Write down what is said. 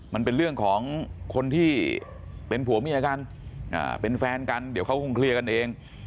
มันเป็นเรื่องของคนที่เป็นผัวเมียกันเป็นแฟนกันเดี๋ยวเขาคงเคลียร์กันเอง